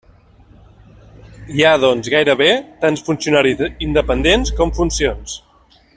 Hi ha, doncs, gairebé tants funcionaris independents com funcions.